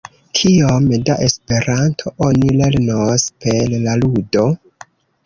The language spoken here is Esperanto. Kiom da Esperanto oni lernos per la ludo?